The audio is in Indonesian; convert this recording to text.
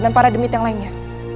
dan para demit yang lainnya